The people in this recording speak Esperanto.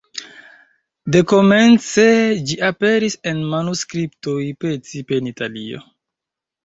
Dekomence ĝi aperis en manuskriptoj, precipe en Italio.